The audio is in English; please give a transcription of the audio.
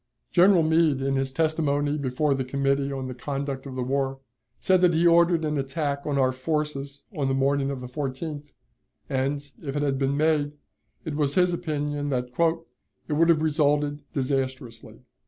General Meade, in his testimony before the Committee on the Conduct of the War, said that he ordered an attack on our forces on the morning of the 14th, and, if it had been made, it was his opinion that "it would have resulted disastrously."